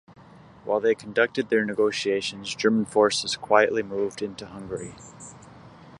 While they conducted their negotiations, German forces quietly moved into Hungary.